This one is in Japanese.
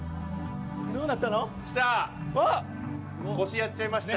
どうなったの？